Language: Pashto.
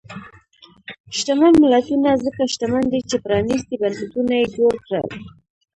شتمن ملتونه ځکه شتمن دي چې پرانیستي بنسټونه یې جوړ کړل.